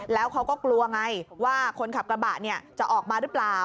แล้วเขาก็กลัวไงว่าคนขับกระบะจะออกมาหรือเปล่า